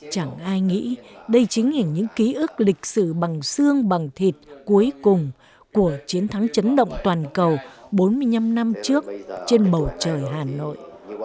chẳng ai nghĩ đây chính là những ký ức lịch sử bằng xương bằng thịt cuối cùng của chiến thắng chấn động toàn cầu bốn mươi năm năm trước trên bầu trời hà nội